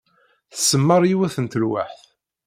Tsemmeṛ yiwet n telweḥt.